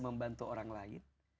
membantu orang lain